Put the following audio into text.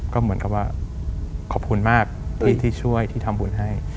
ก็เหมือนกับว่าขอบคุณมากที่ช่วยที่ทำบุญให้